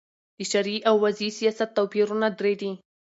د شرعې او وضي سیاست توپیرونه درې دي.